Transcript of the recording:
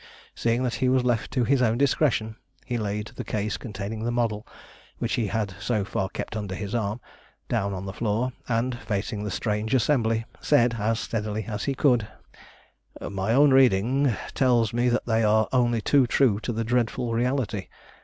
Seeing that he was left to his own discretion, he laid the case containing the model, which he had so far kept under his arm, down on the floor, and, facing the strange assembly, said as steadily as he could "My own reading tells me that they are only too true to the dreadful reality.